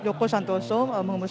menghembuskan napas terakhir ini